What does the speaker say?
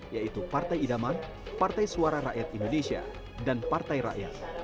yaitu partai idaman partai suara rakyat indonesia dan partai rakyat